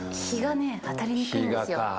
日が当たりにくいんですよ。